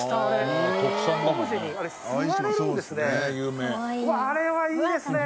うわっあれはいいですね。